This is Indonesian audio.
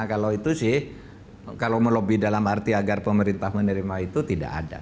kalau itu sih kalau melobi dalam arti agar pemerintah menerima itu tidak ada